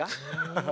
ハハハ。